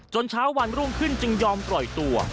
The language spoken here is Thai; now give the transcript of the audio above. เช้าวันรุ่งขึ้นจึงยอมปล่อยตัว